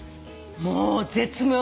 もう絶妙。